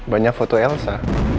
banyak foto elsa